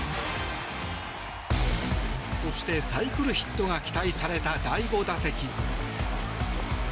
そして、サイクルヒットが期待された第５打席。